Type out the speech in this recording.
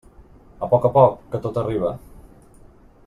A poc a poc, que tot arriba.